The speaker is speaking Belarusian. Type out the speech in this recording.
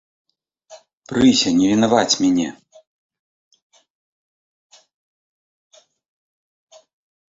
Прыся, не вінаваць мяне.